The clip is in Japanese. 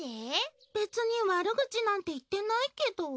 別に悪口なんて言ってないけど。